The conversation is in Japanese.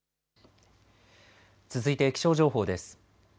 続いて気象情報です。